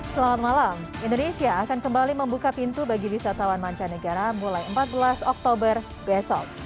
selamat malam indonesia akan kembali membuka pintu bagi wisatawan mancanegara mulai empat belas oktober besok